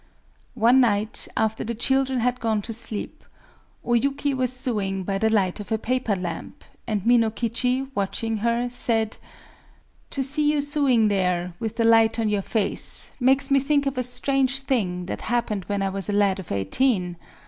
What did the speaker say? One night, after the children had gone to sleep, O Yuki was sewing by the light of a paper lamp; and Minokichi, watching her, said:— "To see you sewing there, with the light on your face, makes me think of a strange thing that happened when I was a lad of eighteen.